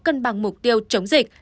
cân bằng mục tiêu chống dịch